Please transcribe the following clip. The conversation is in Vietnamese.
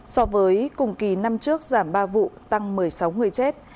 so với cùng kỳ năm trước giảm ba vụ tăng một mươi sáu người chết